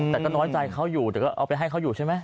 แต่ก็น้อยใจเขาอยู่แต่ก็เอาไปให้เขาอยู่ใช่ไหม